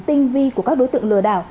tinh vi của các đối tượng lừa đảo